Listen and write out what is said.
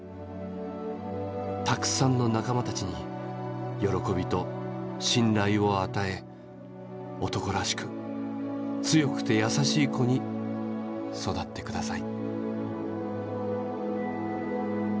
たくさんの仲間たちによろこびと信頼をあたえ男らしく強くて優しい子に育って下さい」。